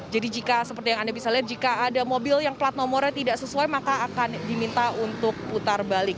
jadi seperti yang anda bisa lihat jika ada mobil yang plat nomornya tidak sesuai maka akan diminta untuk putar balik